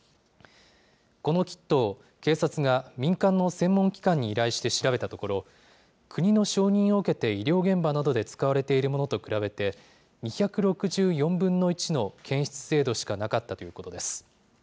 このキットを警察が民間の専門機関に依頼して調べたところ、国の承認を受けて医療現場などで使われているものと比べて、２６４分の１の検出精度しかなかったということです。